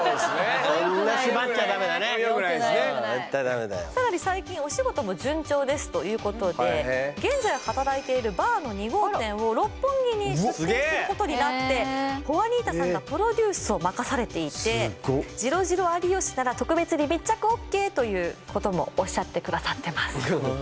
そんな縛っちゃダメだねよくないよくない絶対ダメだよさらに最近お仕事も順調ですということで現在働いているバーの２号店を六本木に出店することになってホアニータさんがプロデュースを任されていて「ジロジロ有吉」なら特別に密着ＯＫということもおっしゃってくださってます